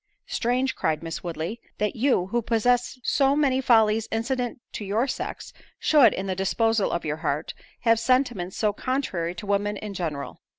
"Strange," cried Miss Woodley, "that you, who possess so many follies incident to your sex, should, in the disposal of your heart, have sentiments so contrary to women in general."